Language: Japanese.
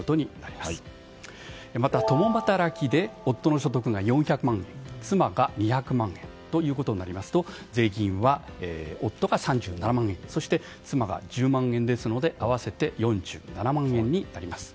また共働きで夫の所得が４００万妻が２００万円となりますと税金は夫が３７万円そして妻が１０万円ですので合わせて４７万円になります。